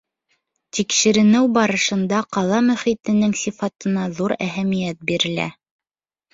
Тикшеренеү барышында ҡала мөхитенең сифатына ҙур әһәмиәт бирелә.